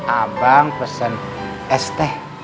abang pesen es teh